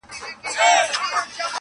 ما چي توبه وکړه اوس نا ځوانه راته و ویل,